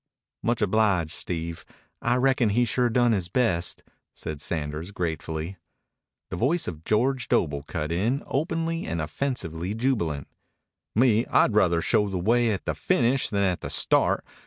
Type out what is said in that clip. "Much obliged, Steve. I reckon he sure done his best," said Sanders gratefully. The voice of George Doble cut in, openly and offensively jubilant. "Me, I'd ruther show the way at the finish than at the start.